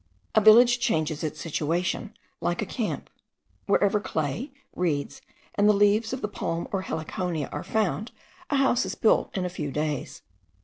A village changes its situation like a camp. Wherever clay, reeds, and the leaves of the palm or heliconia are found, a house is built in a few days.